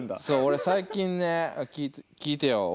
そう俺最近ね聞いてよ